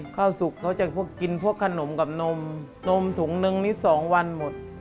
ข้าวสุขเขาก็จะกินพวกขนมกับนมนมถุงนึงนิดสองวันหมด